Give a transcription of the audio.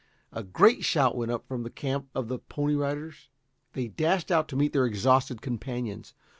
A great shout went up from the camp of the Pony Riders. They dashed out to meet their exhausted companions.